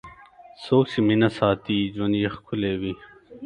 څوک چې مینه ساتي، ژوند یې ښکلی وي.